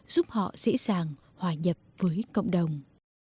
giúp họ dễ dàng hòa nhập với cộng đồng